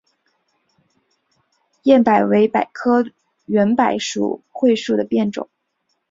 偃柏为柏科圆柏属桧树的变种。